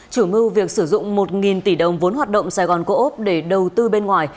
chủ mưu việc sử dụng một tỷ đồng vốn hoạt động sài gòn cổ úc để đầu tư bên ngoài